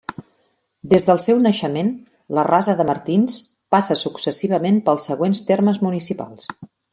Des del seu naixement, la Rasa de Martins passa successivament pels següents termes municipals.